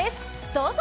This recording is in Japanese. どうぞ！